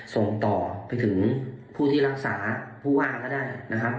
ส่งต่อไปถึงผู้ที่รักษาผู้ว่าก็ได้นะครับ